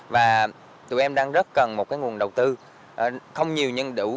và tụi em đang rất cần một cái nguồn đầu tư không nhiều nhân đủ